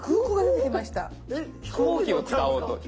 飛行機を使おうと。